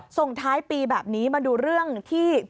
ส่งท้ายปีแบบนี้มาดูเรื่องที่